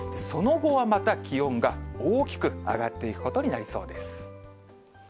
その後はまた気温が大きく上がっていくことになりそうです。